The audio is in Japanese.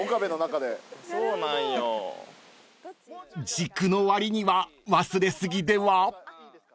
［軸のわりには忘れ過ぎでは？］